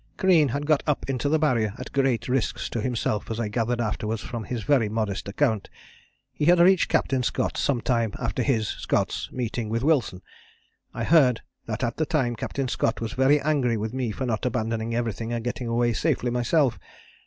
"Crean had got up into the Barrier at great risks to himself as I gathered afterwards from his very modest account. He had reached Captain Scott some time after his [Scott's] meeting with Wilson. I heard that at the time Captain Scott was very angry with me for not abandoning everything and getting away safely myself.